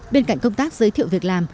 bên cạnh công tác giới thiệu việc làm